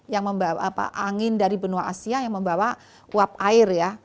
yang membawa angin dari benua asia yang membawa uap air ya